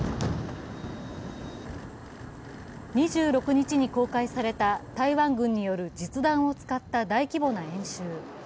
２６日に公開された台湾軍による実弾を使った大規模な演習。